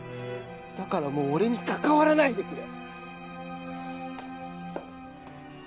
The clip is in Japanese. だからもう俺に関わらないでくれ！